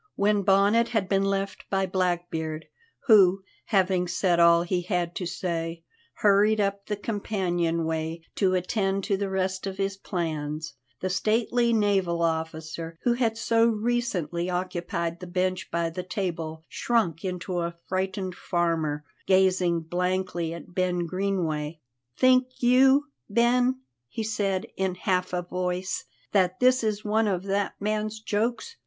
When Bonnet had been left by Blackbeard who, having said all he had to say, hurried up the companion way to attend to the rest of his plans the stately naval officer who had so recently occupied the bench by the table shrunk into a frightened farmer, gazing blankly at Ben Greenway. "Think you, Ben," he said in half a voice, "that this is one of that man's jokes!